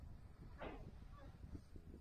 একপর্যায়ে সন্ত্রাসীরা পালিয়ে যায়।